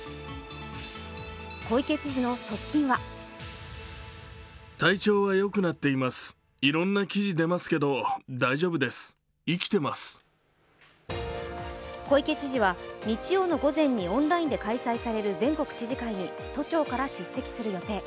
小池知事の側近は小池知事は、日曜の午前にオンラインで開催される全国知事会に都庁から出席する予定。